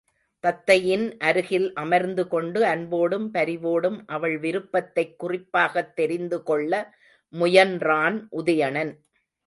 தத்தையின் அருகில் அமர்ந்துகொண்டு அன்போடும் பரிவோடும் அவள் விருப்பத்தைக் குறிப்பாகத் தெரிந்துகொள்ள முயன்றான் உதயணன்.